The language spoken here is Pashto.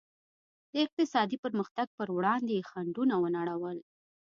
د اقتصادي پرمختګ پر وړاندې یې خنډونه ونړول.